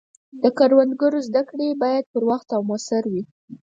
د کروندګرو زده کړې باید پر وخت او موثر وي.